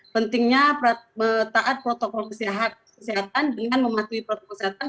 pentingnya taat protokol kesehatan dengan mematuhi protokol kesehatan